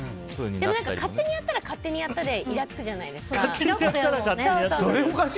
でも、勝手にやったら勝手にやったでそれもおかしくないですか？